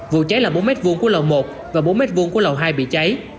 vụ cháy là bốn m hai của lầu một và bốn m hai của lầu hai bị cháy